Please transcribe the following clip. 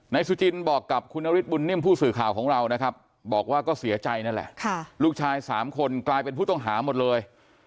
สุจินบอกกับคุณนฤทธบุญนิ่มผู้สื่อข่าวของเรานะครับบอกว่าก็เสียใจนั่นแหละลูกชาย๓คนกลายเป็นผู้ต้องหาหมดเลย